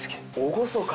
厳か。